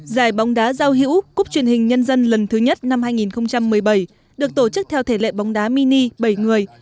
giải bóng đá giao hữu cục truyền hình nhân dân lần thứ nhất năm hai nghìn một mươi bảy được tổ chức theo thể lệ bóng đá mini bảy người